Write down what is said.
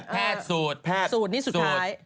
แพทย์สูตรแพทย์สูตรนี่สุดท้าย